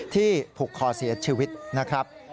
ที่ผูกคอเสียชีวิตนะครับ